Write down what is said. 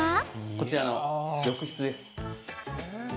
こちらの浴室です。